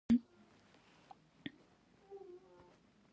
سردار سلطان احمد خان د امیر دوست محمد خان خسر او کاکا بولي.